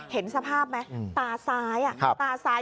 เห็นสภาพไหมตาซ้าย